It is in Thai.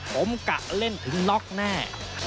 ผมกะเล่นถึงน็อกแน่